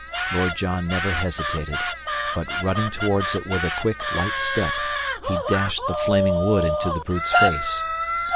Lord John never hesitated, but, running towards it with a quick, light step, he dashed the flaming wood into the brute's face.